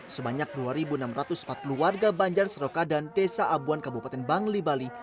sebanyak dua enam ratus empat puluh warga banjar seroka dan desa abuan kabupaten bangli bali